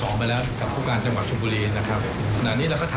ซึ่งผลเอกพระยุจรรย์โอชานายกรัฐมนตรีฝ่ายความไม่ประมาทค่ะ